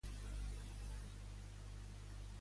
En segon lloc, quina obra fa pensar que Urtzi era un déu?